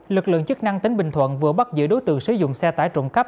lực lượng chức năng tính bình thuận vừa bắt giữa đối tượng sử dụng xe tải trụng cắp